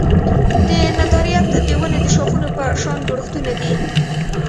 دندرایت د ونې د شاخونو په شان جوړښتونه دي.